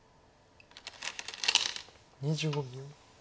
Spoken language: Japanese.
２５秒。